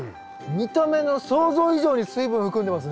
見た目の想像以上に水分含んでますね。